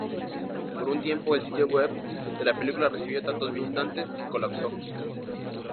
Por un tiempo, el sitio web de la película recibió tantos visitantes que colapsó.